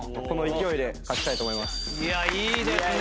いやいいですね！